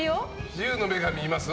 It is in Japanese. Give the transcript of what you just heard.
自由の女神います？